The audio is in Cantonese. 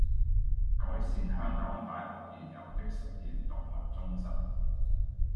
改善香港大學現有的實驗動物中心